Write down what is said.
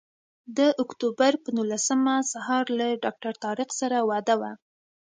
د اکتوبر پر نولسمه سهار له ډاکټر طارق سره وعده وه.